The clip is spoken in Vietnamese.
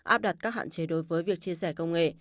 áp đặt các hạn chế đối với việc chia sẻ công nghệ